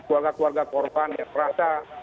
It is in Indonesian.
keluarga keluarga korban yang merasa